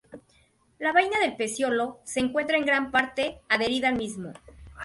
La vaina del peciolo se encuentra en gran parte adherida al mismo.